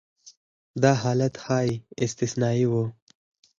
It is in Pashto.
دا حالت یې استثنایي و.